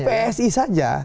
di psi saja